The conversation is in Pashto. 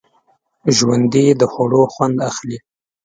ژوندي د خوړو خوند اخلي